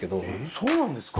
そうなんですか？